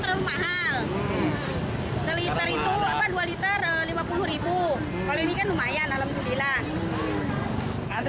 terlalu mahal seliter itu apa dua liter lima puluh kalau ini kan lumayan alhamdulillah